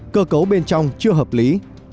cơ cấu bên trong chưa hợp lý